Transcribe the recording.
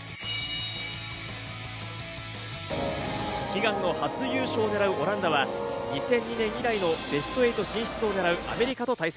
悲願の初優勝を狙うオランダは２００２年以来のベスト８進出を狙うアメリカと対戦。